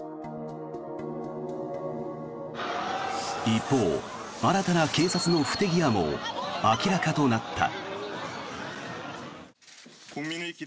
一方、新たな警察の不手際も明らかとなった。